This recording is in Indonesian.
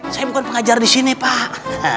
saya bukan pengajar di sini pak